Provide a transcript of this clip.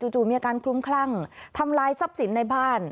จู่มีอาการคลุ้มคลั่งทำลายทรัพย์สินในบ้าน